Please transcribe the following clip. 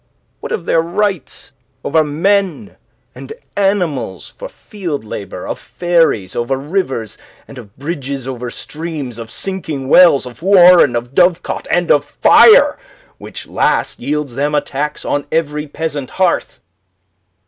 What of their rights over men and animals for field labour, of ferries over rivers, and of bridges over streams, of sinking wells, of warren, of dovecot, and of fire, which last yields them a tax on every peasant hearth?